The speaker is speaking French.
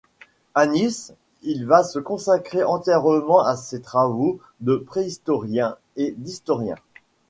À Nice, il va se consacrer entièrement à ses travaux de préhistorien et d'historien.